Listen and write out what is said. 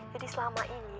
jadi selama ini